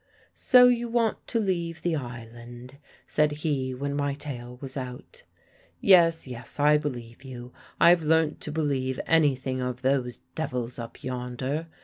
'So you want to leave the island?' said he when my tale was out. 'Yes, yes, I believe you; I've learnt to believe anything of those devils up yonder.